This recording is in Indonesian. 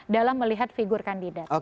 dalam melihat figur kandidat